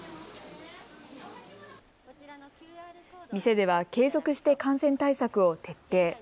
店では継続して感染対策を徹底。